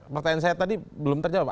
pertanyaan saya tadi belum terjawab